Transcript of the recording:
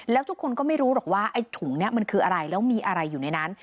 แล้วทุกคนก็ไม่รู้หรอกว่าไอ้ถุงนี้มันคืออะไรแล้วมีอะไรอยู่ในนั้น